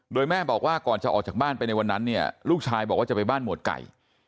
โดยแม่บอกว่าก่อนจะออกจากบ้านไปในวันนั้นเนี่ยลูกชายบอกว่าจะไปบ้านหมวดไก่